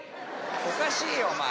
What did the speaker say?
おかしいよお前。